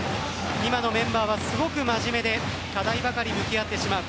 今のメンバーはすごく真面目で課題ばかり向き合ってしまう。